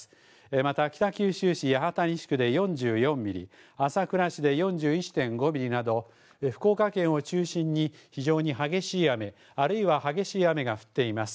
また北九州市八幡西区で４４ミリ、朝倉市で４１．５ミリなど、福岡県を中心に非常に激しい雨、あるいは激しい雨が降っています。